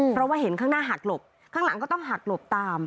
เพราะว่าเห็นข้างหน้าหักหลบข้างหลังก็ต้องหักหลบตาม